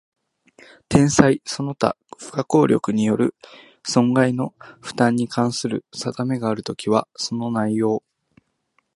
天災その他不可抗力による損害の負担に関する定めがあるときは、その内容